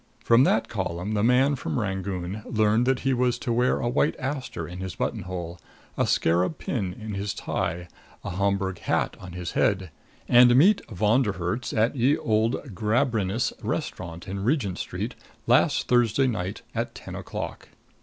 From that column the man from Rangoon learned that he was to wear a white aster in his button hole, a scarab pin in his tie, a Homburg hat on his head, and meet Von der Herts at Ye Old Gambrinus Restaurant in Regent Street, last Thursday night at ten o'clock.